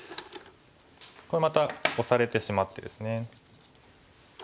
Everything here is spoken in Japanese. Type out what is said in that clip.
これまたオサれてしまってですね。